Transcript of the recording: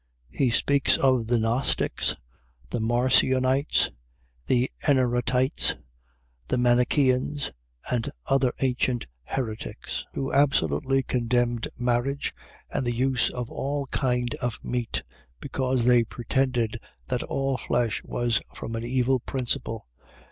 .. He speaks of the Gnostics, the Marcionites, the Eneratites, the Manicheans, and other ancient heretics, who absolutely condemned marriage, and the use of all kind of meat; because they pretended that all flesh was from an evil principle.